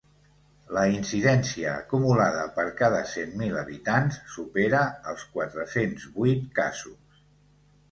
La incidència acumulada per cada cent mil habitants supera els quatre-cents vuit casos.